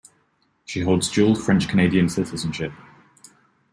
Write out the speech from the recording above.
She holds dual French-Canadian citizenship.